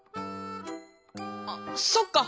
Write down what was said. あっそっか！